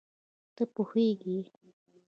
ته پوهېږې